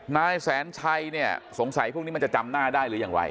นายแสนชัยเนี่ยสงสัยพวกนี้มันจะจำหน้าได้หรือยังไร